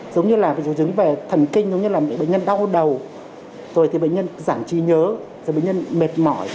giống như là triệu chứng về thần kinh giống như là bệnh nhân đau đầu rồi thì bệnh nhân giảm trí nhớ rồi bệnh nhân mệt mỏi